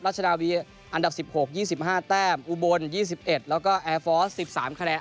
ชนาวีอันดับ๑๖๒๕แต้มอุบล๒๑แล้วก็แอร์ฟอร์ส๑๓คะแนน